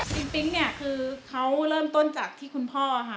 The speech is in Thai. ปิ๊งเนี่ยคือเขาเริ่มต้นจากที่คุณพ่อค่ะ